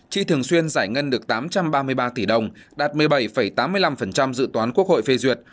chi thường xuyên giải ngân được tám trăm ba mươi ba tỷ đồng đạt một mươi bảy tám mươi năm dự toán quốc hội phê duyệt